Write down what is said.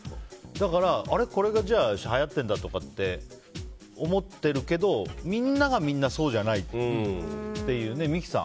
だから、これがはやっているんだとかって思ってるけどみんながみんなそうじゃないっていう。